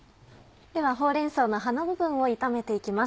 ではほうれん草の葉の部分を炒めて行きます。